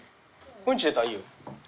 うんち出たらいいよ。